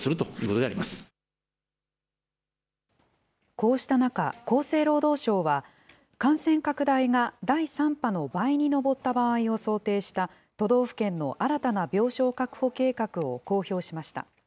こうした中、厚生労働省は、感染拡大が第３波の倍に上った場合を想定した、都道府県の新たな病床確保計画を公表しました。